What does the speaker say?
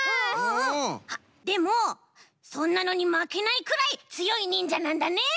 でもそんなのにまけないくらいつよいにんじゃなんだね？